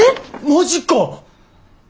マジか！